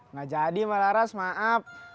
nggak jadi malaras maaf